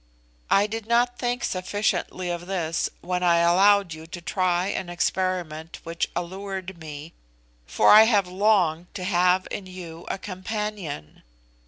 I did not think sufficiently of this when I allowed you to try an experiment which allured me, for I have longed to have in you a companion.